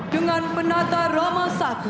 dengan penata rama satu